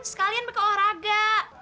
sekalian pakai olahraga